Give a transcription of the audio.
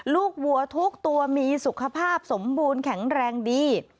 วัวทุกตัวมีสุขภาพสมบูรณ์แข็งแรงดี